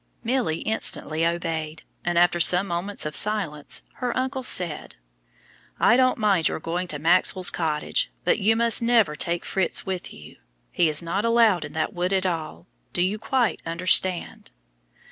Milly instantly obeyed, and after some moments of silence her uncle said, "I don't mind your going to Maxwell's cottage, but you must never take Fritz with you. He is not allowed in that wood at all. Do you quite understand?"